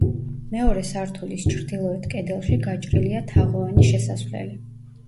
მეორე სართულის ჩრდილოეთ კედელში გაჭრილია თაღოვანი შესასვლელი.